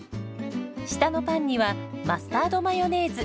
下のパンにはマスタードマヨネーズ。